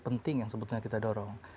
penting yang sebetulnya kita dorong